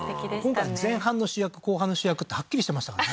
今回前半の主役後半の主役ってはっきりしてましたからね